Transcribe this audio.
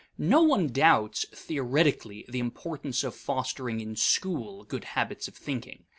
No one doubts, theoretically, the importance of fostering in school good habits of thinking.